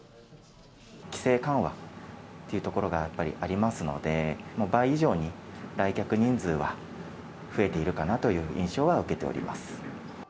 規制緩和というところがやっぱりありますので、倍以上に来客人数は増えているかなという印象は受けております。